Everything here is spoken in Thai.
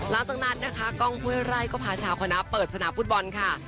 หลังจากนั้นนะคะกล้องห้วยไร่ก็พาชาวคณะเปิดสนามฟุตบอลค่ะ